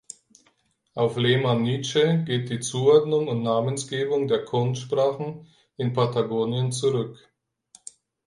Auf Lehmann-Nitsche geht die Zuordnung und Namensgebung der Chon-Sprachen in Patagonien zurück.